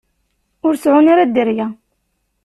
Ur seɛɛun ara dderya.